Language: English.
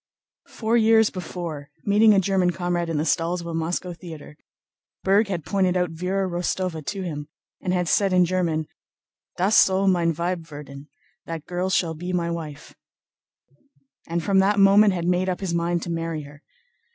Four years before, meeting a German comrade in the stalls of a Moscow theater, Berg had pointed out Véra Rostóva to him and had said in German, "das soll mein Weib werden," * and from that moment had made up his mind to marry her.